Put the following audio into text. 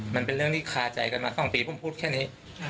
มันเป็นเรื่องที่คาใจกันมา๒ปีผมพูดแค่นี้